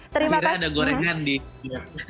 akhirnya ada gorengan di new york